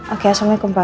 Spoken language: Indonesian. oke assalamualaikum pa